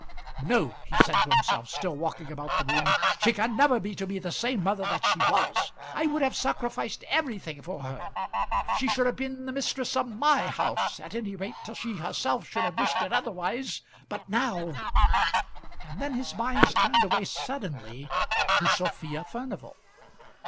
"No," he said to himself, still walking about the room. "She can never be to me the same mother that she was. I would have sacrificed everything for her. She should have been the mistress of my house, at any rate till she herself should have wished it otherwise. But now " And then his mind turned away suddenly to Sophia Furnival.